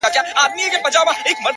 ځوان د سگريټو تسه کړې قطۍ وغورځول ـ